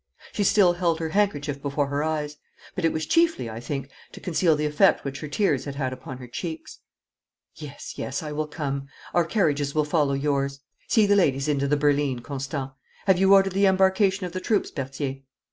She still held her handkerchief before her eyes, but it was chiefly, I think, to conceal the effect which her tears had had upon her cheeks. 'Yes, yes, I will come. Our carriages will follow yours. See the ladies into the berline, Constant. Have you ordered the embarkation of the troops, Berthier?